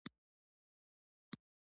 خو د نښو نښانو څخه ښکارې